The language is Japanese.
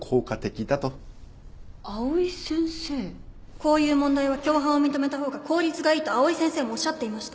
こういう問題は共犯を認めた方が効率がいいと藍井先生もおっしゃっていました